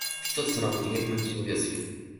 すき通った空を見上げ、思いっきり伸びをする